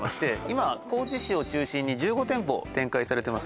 今高知市を中心に１５店舗展開されてます